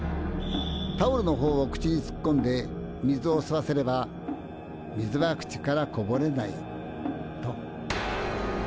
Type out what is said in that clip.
タオルのほうを口につっこんで水を吸わせれば水は口からこぼれないと。